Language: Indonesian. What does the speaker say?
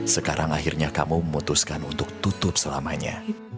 sekarang akhirnya kamu memutuskan untuk tutup selamanya